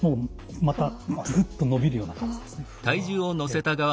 またぐっと伸びるような感じですね。